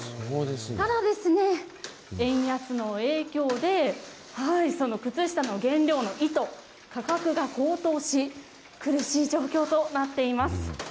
ただですね、円安の影響で、その靴下の原料の糸、価格が高騰し、苦しい状況となっています。